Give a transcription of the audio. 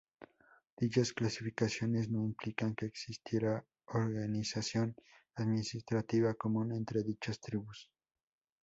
Dichas clasificaciones no implican que existiera organización administrativa común entre dichas tribus.